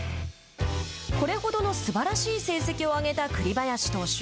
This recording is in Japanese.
これほどのすばらしい成績をあげた栗林投手。